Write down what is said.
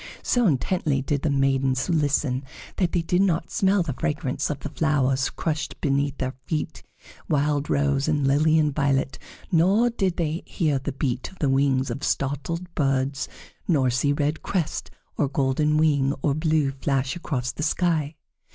So intently did the maidens listen that they did not smell the fragrance of the flowers crushed beneath their feet, wild rose and lily and violet, nor did they hear the beat of the wings of startled birds, nor see red crest, or golden wing, or blue, flash across the sky.